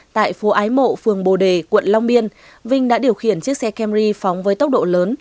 tại phố ái mộ phường bồ đề quận long biên vinh đã điều khiển chiếc xe camry phóng với tốc độ lớn